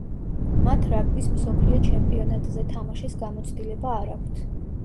მათ რაგბის მსოფლიო ჩემპიონატზე თამაშის გამოცდილება არ აქვთ.